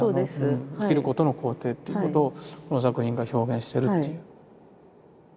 生きることの肯定っていうことをこの作品が表現してるっていう。